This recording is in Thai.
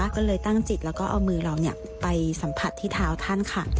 ก็เลยตั้งจิตแล้วก็เอามือเราไปสัมผัสที่เท้าท่านค่ะ